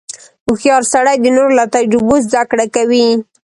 • هوښیار سړی د نورو له تجربو زدهکړه کوي.